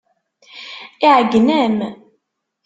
Iɛeyyen-am.